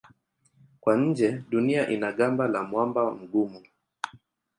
Kwa nje Dunia ina gamba la mwamba mgumu.